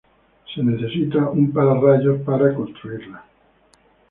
Se necesita un Pararrayos para construirla.